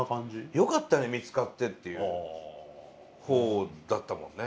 「よかったね見つかって」っていう方だったもんね。